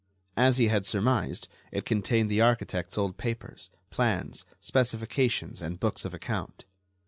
As he had surmised, it contained the architect's old papers, plans, specifications and books of account.